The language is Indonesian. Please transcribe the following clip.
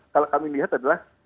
kalau kami lihat adalah